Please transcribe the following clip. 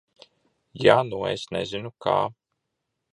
Ja nu es nezinu, kā?